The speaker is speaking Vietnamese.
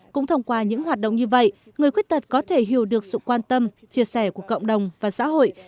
cũng thông qua những hoạt động như vậy người khuyết tật có thể hiểu được sự quan tâm chia sẻ của cộng đồng và xã hội